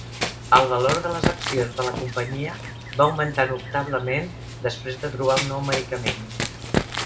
El valor de les accions de la companyia va augmentar notablement després de trobar un nou medicament.